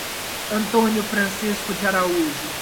Antônio Francisco de Araújo